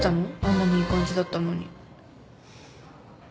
あんなにいい感じだったのに。